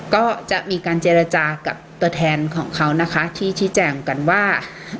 ก็จะมีการเจรจากับตัวแทนของเขานะคะที่ชี้แจงกันว่า